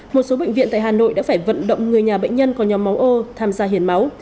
một số bệnh viện tại hà nội đã phải vận động người nhà bệnh nhân có nhóm máu ô tham gia hiến máu